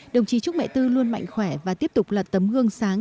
đồng chí trúc mẹ tư luôn mạnh khỏe và tiếp tục là tấm gương sáng